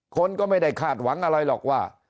คนก็ไม่ได้คาดหวังอะไรหรอกว่า